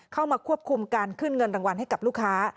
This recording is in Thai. เข้ามาควบคุมการขึ้นเงินรางวัลให้กับลูกค้า